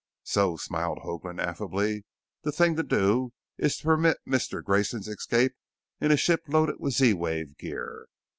"So," smiled Hoagland affably, "the thing to do is to permit Mister Grayson's escape in a ship loaded with Z wave gear.